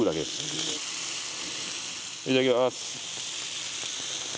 いただきます！